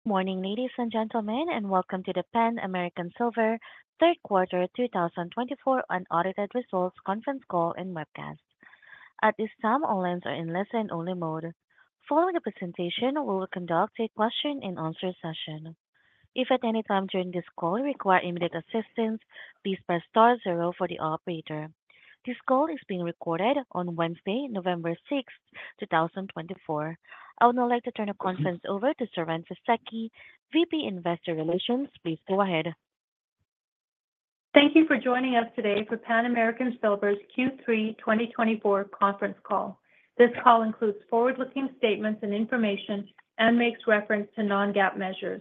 Good morning, ladies and gentlemen, and welcome to the Pan American Silver Third Quarter 2024 Unaudited Results Conference Call and webcast. At this time, all lines are in listen-only mode. Following the presentation, we will conduct a question-and-answer session. If at any time during this call you require immediate assistance, please press star zero for the operator. This call is being recorded on Wednesday, November 6th, 2024. I would now like to turn the conference over to Siren Fisekci, VP Investor Relations. Please go ahead. Thank you for joining us today for Pan American Silver's Q3 2024 conference call. This call includes forward-looking statements and information and makes reference to non-GAAP measures.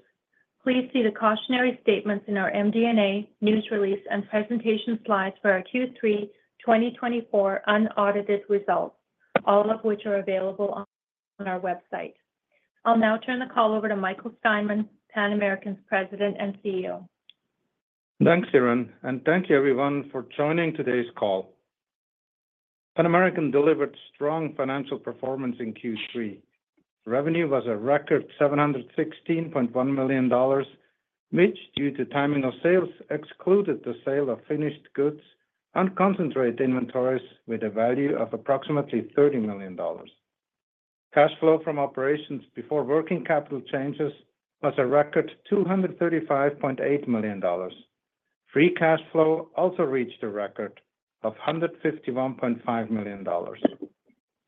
Please see the cautionary statements in our MD&A news release and presentation slides for our Q3 2024 Unaudited Results, all of which are available on our website. I'll now turn the call over to Michael Steinmann, Pan American's President and CEO. Thanks, Siren, and thank you, everyone, for joining today's call. Pan American delivered strong financial performance in Q3. Revenue was a record $716.1 million, which, due to timing of sales, excluded the sale of finished goods and concentrate inventories with a value of approximately $30 million. Cash flow from operations before working capital changes was a record $235.8 million. Free cash flow also reached a record of $151.5 million.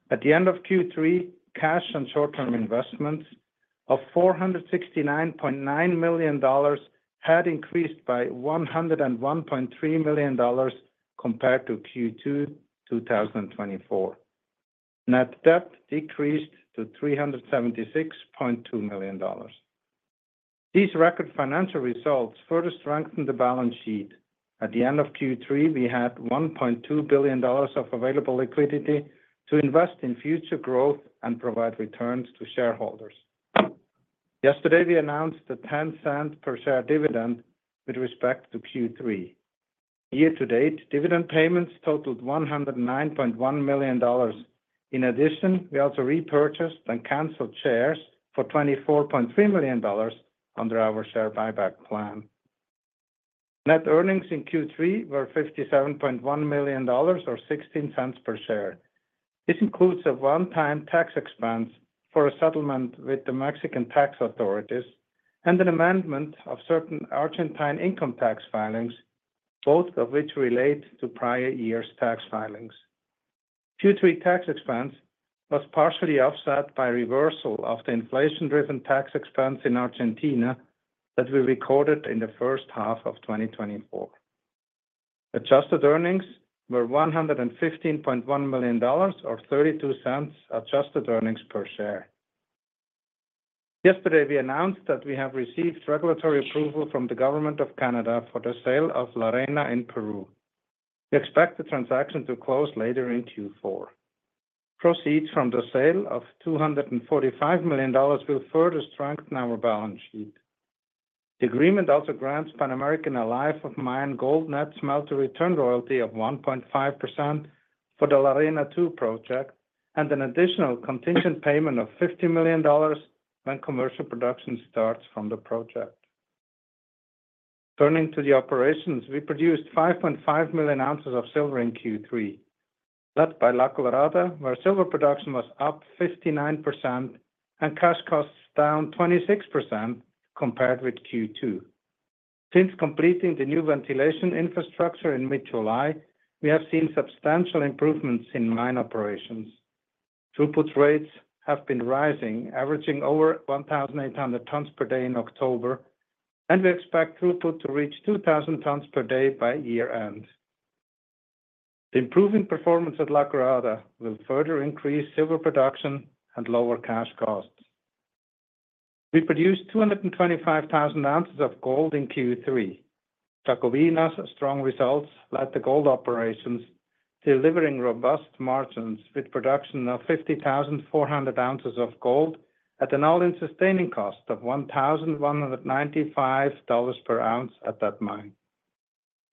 At the end of Q3, cash and short-term investments of $469.9 million had increased by $101.3 million compared to Q2 2024, and net debt decreased to $376.2 million. These record financial results further strengthened the balance sheet. At the end of Q3, we had $1.2 billion of available liquidity to invest in future growth and provide returns to shareholders. Yesterday, we announced a $0.10 per share dividend with respect to Q3. Year-to-date, dividend payments totaled $109.1 million. In addition, we also repurchased and canceled shares for $24.3 million under our share buyback plan. Net earnings in Q3 were $57.1 million, or $0.16 per share. This includes a one-time tax expense for a settlement with the Mexican tax authorities and an amendment of certain Argentine income tax filings, both of which relate to prior year's tax filings. Q3 tax expense was partially offset by reversal of the inflation-driven tax expense in Argentina that we recorded in the first half of 2024. Adjusted earnings were $115.1 million, or $0.32 adjusted earnings per share. Yesterday, we announced that we have received regulatory approval from the Government of Canada for the sale of La Arena in Peru. We expect the transaction to close later in Q4. Proceeds from the sale of $245 million will further strengthen our balance sheet. The agreement also grants Pan American a 1.5% net smelter return royalty for the La Arena II project and an additional contingent payment of $50 million when commercial production starts from the project. Turning to the operations, we produced 5.5 million ounces of silver in Q3, led by La Colorada, where silver production was up 59% and cash costs down 26% compared with Q2. Since completing the new ventilation infrastructure in mid-July, we have seen substantial improvements in mine operations. Throughput rates have been rising, averaging over 1,800 tons per day in October, and we expect throughput to reach 2,000 tons per day by year-end. The improved performance at La Colorada will further increase silver production and lower cash costs. We produced 225,000 ounces of gold in Q3. Jacobina's strong results led to gold operations delivering robust margins with production of 50,400 ounces of gold at an All-in Sustaining Cost of $1,195 per ounce at that mine.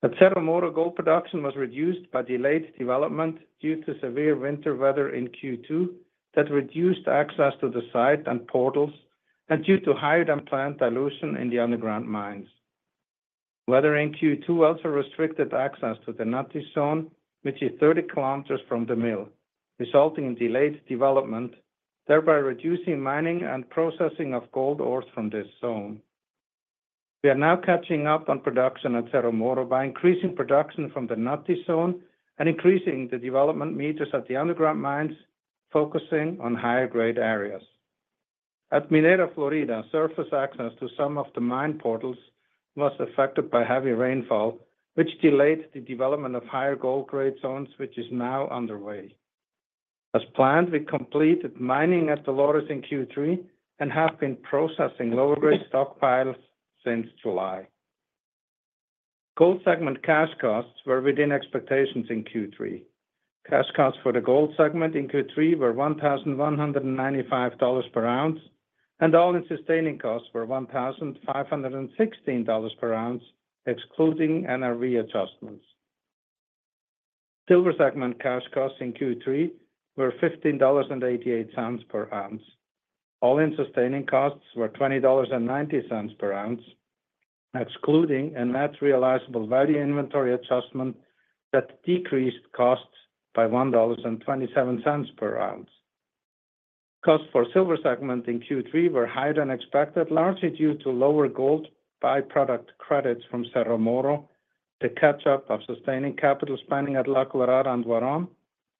At Cerro Moro, gold production was reduced by delayed development due to severe winter weather in Q2 that reduced access to the site and portals, and due to higher than planned dilution in the underground mines. Weather in Q2 also restricted access to the Naty Zone, which is 30 km from the mill, resulting in delayed development, thereby reducing mining and processing of gold ores from this zone. We are now catching up on production at Cerro Moro by increasing production from the Naty Zone and increasing the development meters at the underground mines, focusing on higher-grade areas. At Minera Florida, surface access to some of the mine portals was affected by heavy rainfall, which delayed the development of higher gold-grade zones, which is now underway. As planned, we completed mining at the Dolores in Q3 and have been processing lower-grade stockpiles since July. Gold segment cash costs were within expectations in Q3. Cash costs for the gold segment in Q3 were $1,195 per ounce, and All-in Sustaining Costs were $1,516 per ounce, excluding NRV adjustments. Silver segment cash costs in Q3 were $15.88 per ounce. All-in Sustaining Costs were $20.90 per ounce, excluding a net realizable value inventory adjustment that decreased costs by $1.27 per ounce. Costs for silver segment in Q3 were higher than expected, largely due to lower gold byproduct credits from Cerro Moro, the catch-up of sustaining capital spending at La Colorada and Huarón,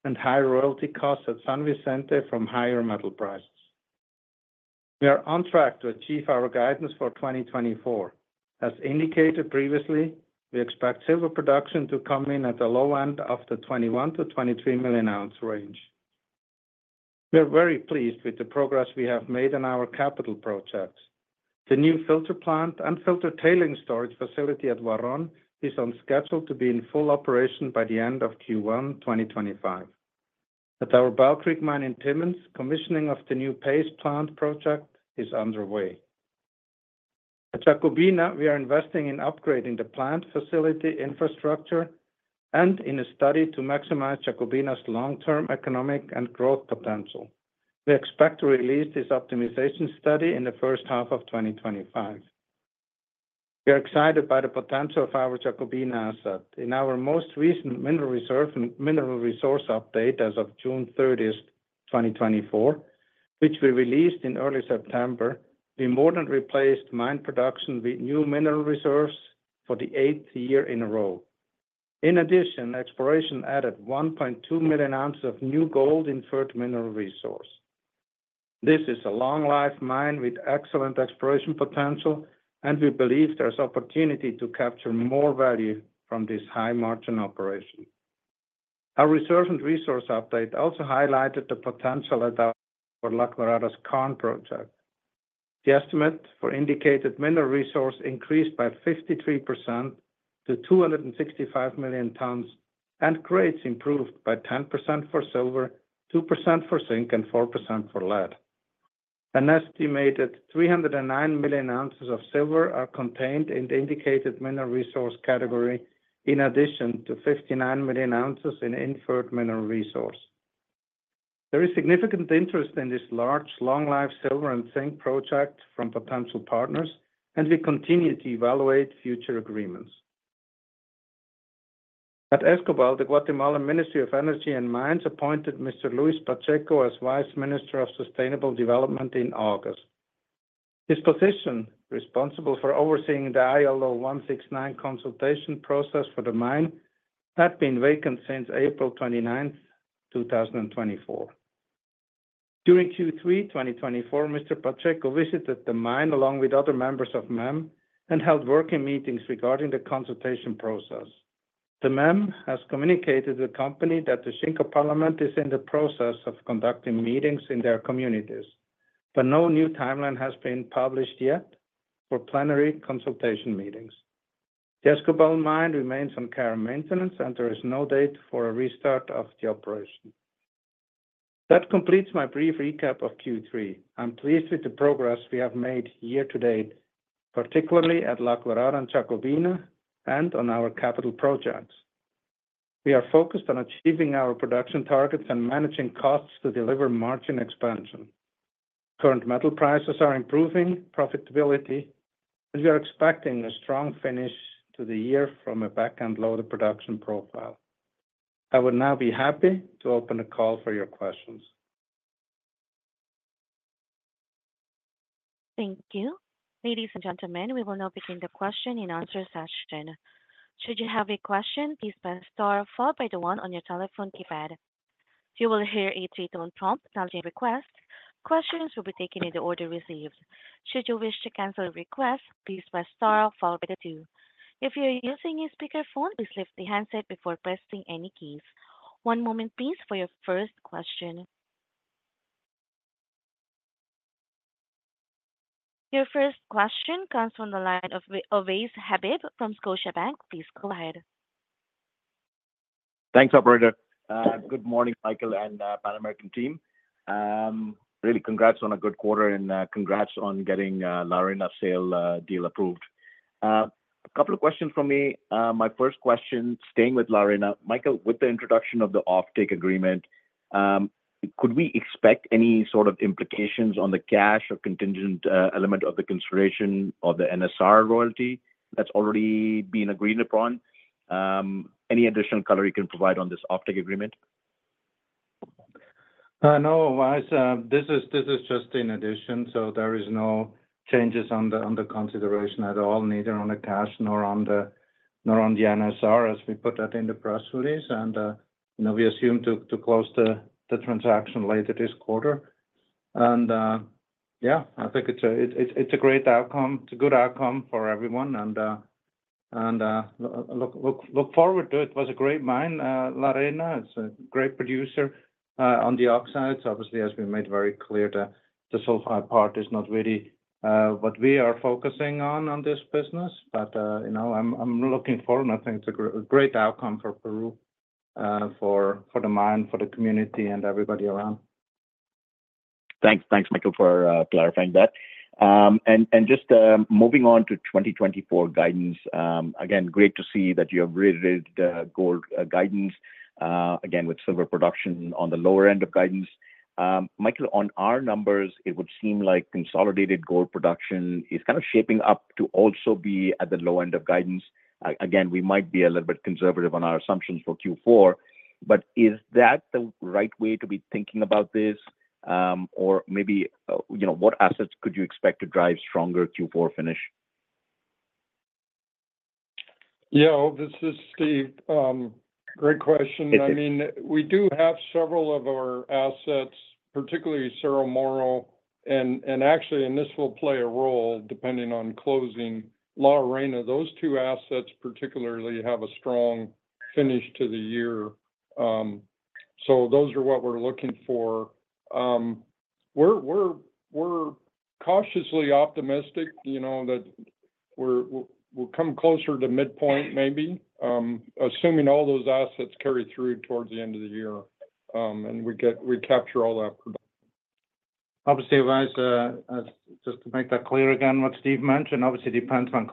and higher royalty costs at San Vicente from higher metal prices. We are on track to achieve our guidance for 2024. As indicated previously, we expect silver production to come in at the low end of the 21-23 million ounce range. We are very pleased with the progress we have made in our capital projects. The new filter plant and filter tailings storage facility at Huarón is on schedule to be in full operation by the end of Q1 2025. At our Bell Creek Mine in Timmins, commissioning of the new paste plant project is underway. At Jacobina, we are investing in upgrading the plant facility infrastructure and in a study to maximize Jacobina's long-term economic and growth potential. We expect to release this optimization study in the first half of 2025. We are excited by the potential of our Jacobina asset. In our most recent mineral resource update as of June 30th, 2024, which we released in early September, we more than replaced mine production with new mineral reserves for the eighth year in a row. In addition, exploration added 1.2 million ounces of new gold inferred mineral resource. This is a long-life mine with excellent exploration potential, and we believe there's opportunity to capture more value from this high-margin operation. Our reserves and resource update also highlighted the potential addition for La Colorada's Skarn project. The estimate for indicated mineral resource increased by 53% to 265 million tons, and grades improved by 10% for silver, 2% for zinc, and 4% for lead. An estimated 309 million ounces of silver are contained in the indicated mineral resource category, in addition to 59 million ounces in inferred mineral resource. There is significant interest in this large, long-life silver and zinc project from potential partners, and we continue to evaluate future agreements. At Escobal, the Guatemalan Ministry of Energy and Mines appointed Mr. Luis Pacheco as Vice Minister of Sustainable Development in August. His position, responsible for overseeing the ILO 169 consultation process for the mine, had been vacant since April 29th, 2024. During Q3 2024, Mr. Pacheco visited the mine along with other members of MEM and held working meetings regarding the consultation process. The MEM has communicated to the company that the Xinka Parliament is in the process of conducting meetings in their communities, but no new timeline has been published yet for plenary consultation meetings. The Escobal mine remains on care and maintenance, and there is no date for a restart of the operation. That completes my brief recap of Q3. I'm pleased with the progress we have made year-to-date, particularly at La Colorada and Jacobina, and on our capital projects. We are focused on achieving our production targets and managing costs to deliver margin expansion. Current metal prices are improving profitability, and we are expecting a strong finish to the year from a back-end loaded production profile. I would now be happy to open the call for your questions. Thank you. Ladies and gentlemen, we will now begin the question and answer session. Should you have a question, please press star followed by the one on your telephone keypad. You will hear a three-tone prompt telling you to request. Questions will be taken in the order received. Should you wish to cancel a request, please press star followed by the two. If you're using a speakerphone, please lift the handset before pressing any keys. One moment, please, for your first question. Your first question comes from the line of Ovais Habib from Scotiabank. Please go ahead. Thanks, Alberto. Good morning, Michael and Pan American team. Really congrats on a good quarter and congrats on getting La Arena sale deal approved. A couple of questions from me. My first question, staying with La Arena, Michael, with the introduction of the off-take agreement, could we expect any sort of implications on the cash or contingent element of the consideration of the NSR royalty that's already been agreed upon? Any additional color you can provide on this off-take agreement? No, guys, this is just in addition, so there are no changes on the consideration at all, neither on the cash nor on the NSR, as we put that in the press release. We assume to close the transaction later this quarter. Yeah, I think it's a great outcome. It's a good outcome for everyone. I look forward to it. It was a great mine, La Arena. It's a great producer on the upside. Obviously, as we made very clear, the sulfide part is not really what we are focusing on this business, but I'm looking forward, and I think it's a great outcome for Peru, for the mine, for the community, and everybody around. Thanks, thanks, Michael, for clarifying that and just moving on to 2024 guidance, again, great to see that you have reiterated gold guidance, again, with silver production on the lower end of guidance. Michael, on our numbers, it would seem like consolidated gold production is kind of shaping up to also be at the low end of guidance. Again, we might be a little bit conservative on our assumptions for Q4, but is that the right way to be thinking about this or maybe what assets could you expect to drive stronger Q4 finish? Yeah, this is Steve. Great question. I mean, we do have several of our assets, particularly Cerro Moro. And actually, this will play a role depending on closing La Arena. Those two assets particularly have a strong finish to the year. So those are what we're looking for. We're cautiously optimistic that we'll come closer to midpoint, maybe, assuming all those assets carry through towards the end of the year and we capture all that production. Obviously, guys, just to make that clear again, what Steve mentioned obviously depends on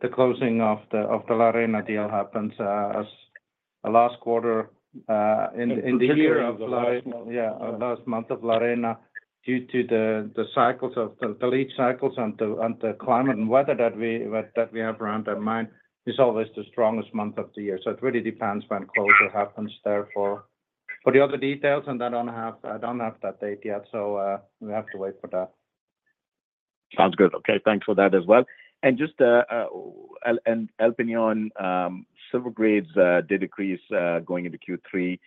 the closing of the La Arena deal happens as a last quarter in the year of La Arena. Yeah, last month of La Arena, due to the cycles of the leach cycles and the climate and weather that we have around that mine, is always the strongest month of the year. So it really depends when closure happens there for the other details, and I don't have that date yet, so we have to wait for that. Sounds good. Okay, thanks for that as well. And just helping you on silver grades, they decrease going into Q3.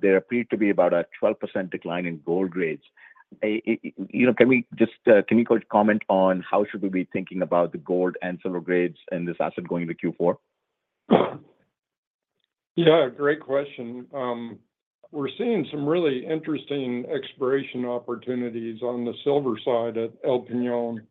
There appeared to be about a 12% decline in gold grades. Can we just comment on how should we be thinking about the gold and silver grades in this asset going into Q4? Yeah, great question. We're seeing some really interesting exploration opportunities on the silver side at El Peñón.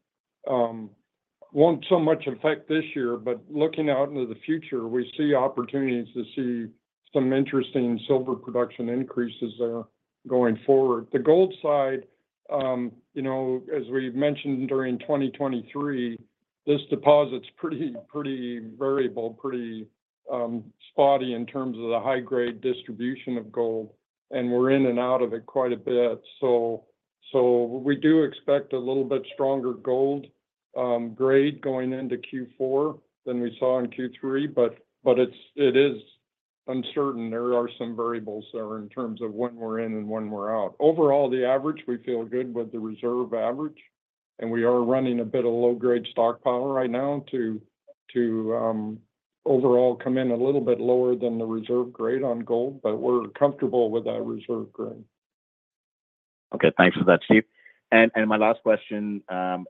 Won't so much affect this year, but looking out into the future, we see opportunities to see some interesting silver production increases there going forward. The gold side, as we've mentioned during 2023, this deposit's pretty variable, pretty spotty in terms of the high-grade distribution of gold, and we're in and out of it quite a bit. So we do expect a little bit stronger gold grade going into Q4 than we saw in Q3, but it is uncertain. There are some variables there in terms of when we're in and when we're out. Overall, the average, we feel good with the reserve average, and we are running a bit of low-grade stockpile right now to overall come in a little bit lower than the reserve grade on gold, but we're comfortable with that reserve grade. Okay, thanks for that, Steve. And my last question,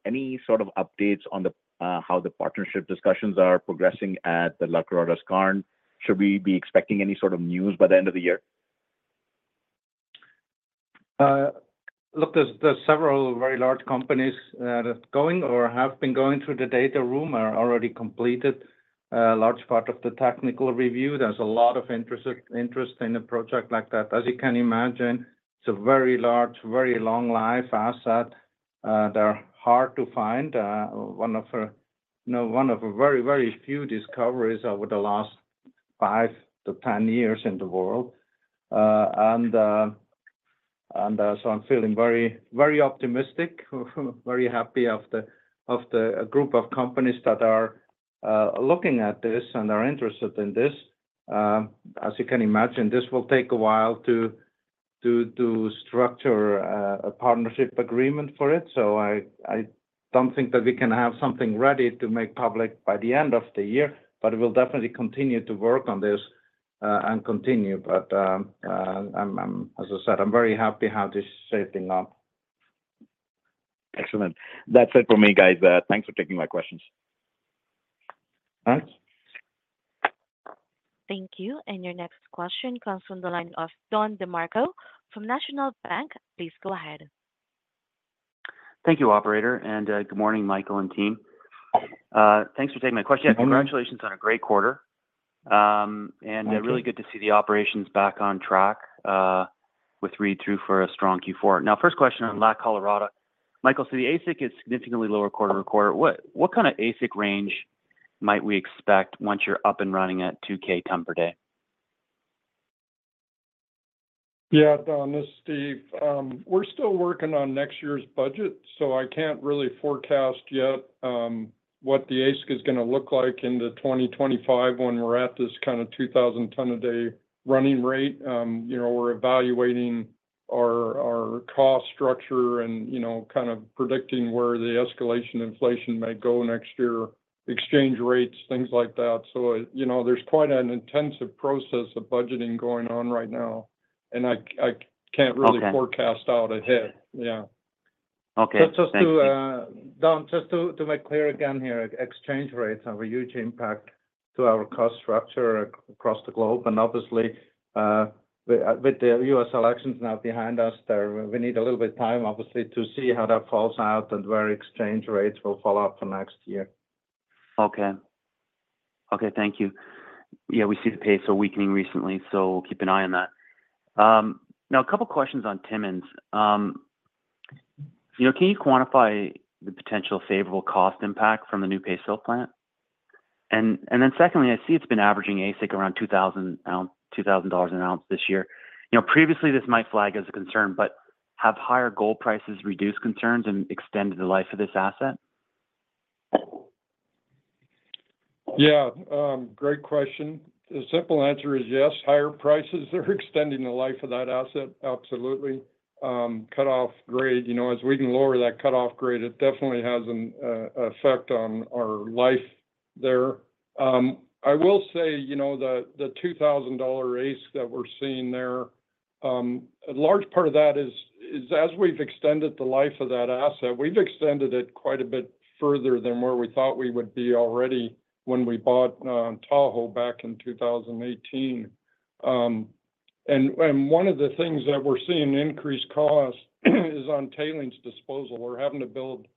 any sort of updates on how the partnership discussions are progressing at the La Colorada's Skarn? Should we be expecting any sort of news by the end of the year? Look, there's several very large companies that are going or have been going through the data room are already completed a large part of the technical review. There's a lot of interest in a project like that. As you can imagine, it's a very large, very long-life asset. They're hard to find, one of very, very few discoveries over the last five to 10 years in the world. And so I'm feeling very optimistic, very happy of the group of companies that are looking at this and are interested in this. As you can imagine, this will take a while to structure a partnership agreement for it. So I don't think that we can have something ready to make public by the end of the year, but we'll definitely continue to work on this and continue. But as I said, I'm very happy how this is shaping up. Excellent. That's it for me, guys. Thanks for taking my questions. Thanks. Thank you. And your next question comes from the line of Don DeMarco from National Bank. Please go ahead. Thank you, Operator. And good morning, Michael and team. Thanks for taking my question. Congratulations on a great quarter. And really good to see the operations back on track with read-through for a strong Q4. Now, first question on La Colorada. Michael, so the AISC is significantly lower quarter to quarter. What kind of AISC range might we expect once you're up and running at 2K ton per day? Yeah, Don, this is Steve. We're still working on next year's budget, so I can't really forecast yet what the AISC is going to look like in the 2025 when we're at this kind of 2,000 ton a day running rate. We're evaluating our cost structure and kind of predicting where the escalation inflation may go next year, exchange rates, things like that. So there's quite an intensive process of budgeting going on right now, and I can't really forecast out ahead. Yeah. Okay. Don, just to make clear again here, exchange rates have a huge impact to our cost structure across the globe. And obviously, with the U.S. elections now behind us, we need a little bit of time, obviously, to see how that falls out and where exchange rates will fall out for next year. Okay. Okay, thank you. Yeah, we see the peso weakening recently, so we'll keep an eye on that. Now, a couple of questions on Timmins. Can you quantify the potential favorable cost impact from the new paste plant? And then secondly, I see it's been averaging AISC around $2,000 an ounce this year. Previously, this might flag as a concern, but have higher gold prices reduced concerns and extended the life of this asset? Yeah, great question. The simple answer is yes. Higher prices are extending the life of that asset, absolutely. Cutoff grade, as we can lower that cutoff grade, it definitely has an effect on our life there. I will say the $2,000 AISC that we're seeing there, a large part of that is, as we've extended the life of that asset, we've extended it quite a bit further than where we thought we would be already when we bought Tahoe back in 2018. And one of the things that we're seeing increase cost is on tailings disposal. We're having to build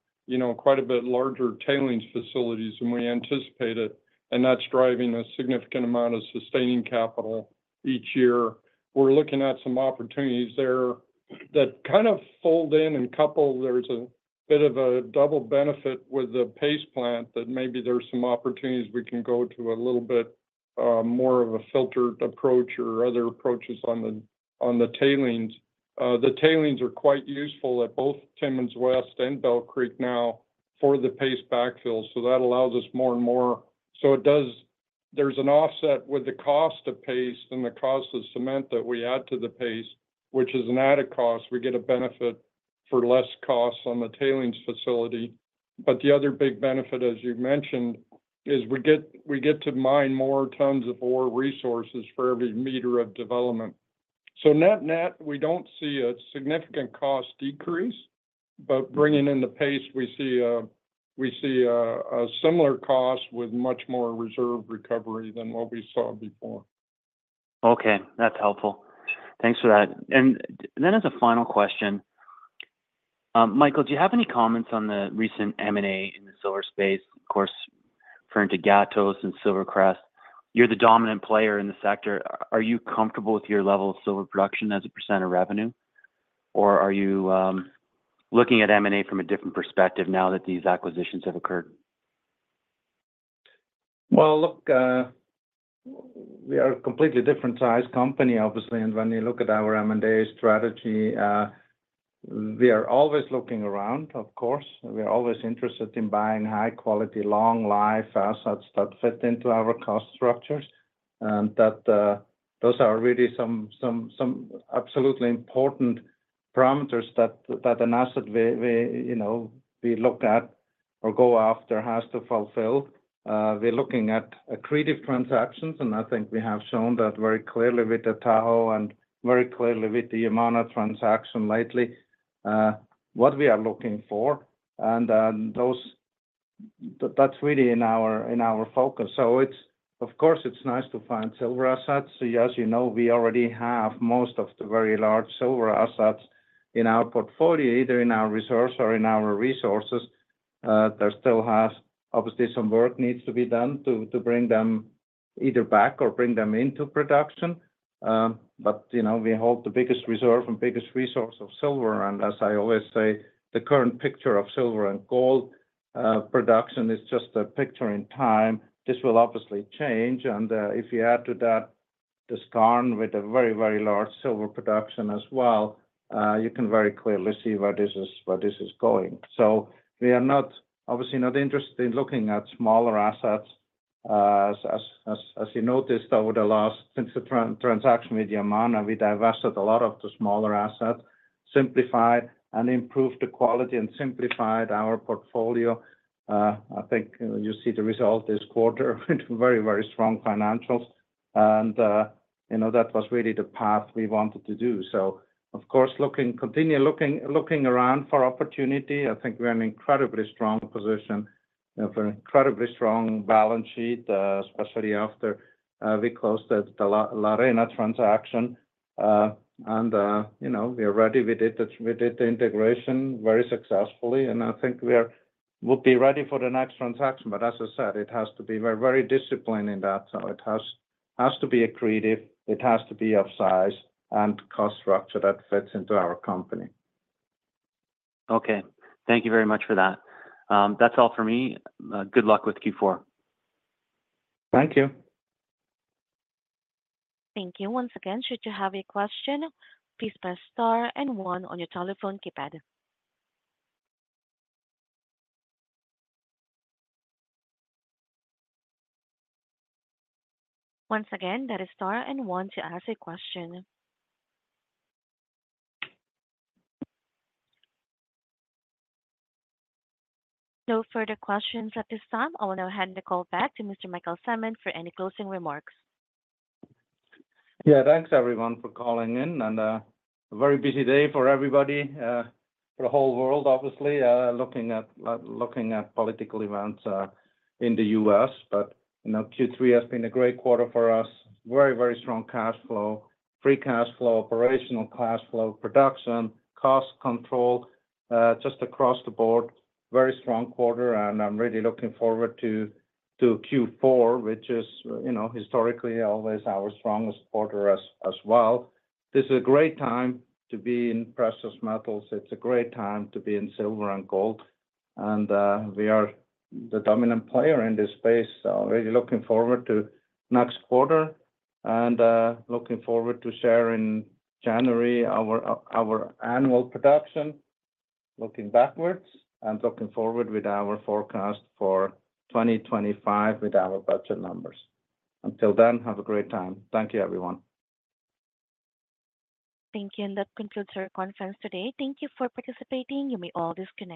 quite a bit larger tailings facilities than we anticipated, and that's driving a significant amount of sustaining capital each year. We're looking at some opportunities there that kind of fold in and couple. There's a bit of a double benefit with the paste plant that maybe there's some opportunities we can go to a little bit more of a filtered approach or other approaches on the tailings. The tailings are quite useful at both Timmins West and Bell Creek now for the paste backfill, so that allows us more and more. So there's an offset with the cost of paste and the cost of cement that we add to the paste, which is an added cost. We get a benefit for less costs on the tailings facility. But the other big benefit, as you mentioned, is we get to mine more tons of ore resources for every meter of development. So net net, we don't see a significant cost decrease, but bringing in the paste, we see a similar cost with much more reserve recovery than what we saw before. Okay, that's helpful. Thanks for that. And then as a final question, Michael, do you have any comments on the recent M&A in the silver space? Of course, referring to Gatos and SilverCrest, you're the dominant player in the sector. Are you comfortable with your level of silver production as a percent of revenue? Or are you looking at M&A from a different perspective now that these acquisitions have occurred? Well, look, we are a completely different size company, obviously, and when you look at our M&A strategy, we are always looking around, of course. We are always interested in buying high-quality, long-life assets that fit into our cost structures, and those are really some absolutely important parameters that an asset we look at or go after has to fulfill. We're looking at accretive transactions, and I think we have shown that very clearly with the Tahoe and very clearly with the Yamana transaction lately, what we are looking for, and that's really in our focus, so of course, it's nice to find silver assets. As you know, we already have most of the very large silver assets in our portfolio, either in our reserves or in our resources. There still has, obviously, some work needs to be done to bring them either back or bring them into production. But we hold the biggest reserve and biggest resource of silver. And as I always say, the current picture of silver and gold production is just a picture in time. This will obviously change. And if you add to that the Skarn with a very, very large silver production as well, you can very clearly see where this is going. So we are obviously not interested in looking at smaller assets. As you noticed over the last, since the transaction with Yamana, we divested a lot of the smaller assets, simplified and improved the quality and simplified our portfolio. I think you see the result this quarter, very, very strong financials. And that was really the path we wanted to do. So of course, continue looking around for opportunity. I think we're in an incredibly strong position, an incredibly strong balance sheet, especially after we closed the La Arena transaction. And we are ready. We did the integration very successfully. And I think we will be ready for the next transaction. But as I said, it has to be very disciplined in that. So it has to be accretive. It has to be of size and cost structure that fits into our company. Okay, thank you very much for that. That's all for me. Good luck with Q4. Thank you. Thank you. Once again, should you have a question, please press star and one on your telephone keypad. Once again, that is star and one to ask a question. No further questions at this time. I will now hand the call back to Mr. Michael Steinmann for any closing remarks. Yeah, thanks everyone for calling in, and a very busy day for everybody, for the whole world, obviously, looking at political events in the US, but Q3 has been a great quarter for us. Very, very strong cash flow, free cash flow, operational cash flow, production, cost control, just across the board. Very strong quarter, and I'm really looking forward to Q4, which is historically always our strongest quarter as well. This is a great time to be in precious metals. It's a great time to be in silver and gold, and we are the dominant player in this space, so really looking forward to next quarter and looking forward to sharing in January our annual production, looking backwards and looking forward with our forecast for 2025 with our budget numbers. Until then, have a great time. Thank you, everyone. Thank you. And that concludes our conference today. Thank you for participating. You may all disconnect.